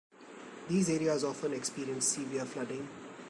These areas often experience severe flooding.